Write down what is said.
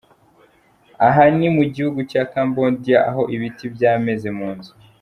Aha ni mu gihugu cya Cambodia aho ibiti byameze mu nzu.